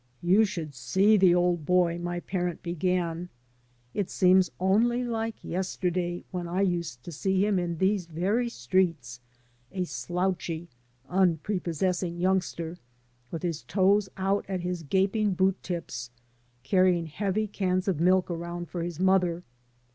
You should see the old boy," my parent began. It seems only like yesterday when I used to see him in these very streets, a slouchy, unprepossessing yoimgster, with his toes out at his gaping boot tips, carrying heavy cans of milk around for his mother.